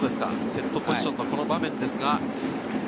セットポジションのこの場面です。